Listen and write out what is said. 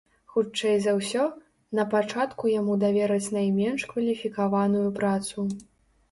Хутчэй за ўсё, напачатку яму давераць найменш кваліфікаваную працу.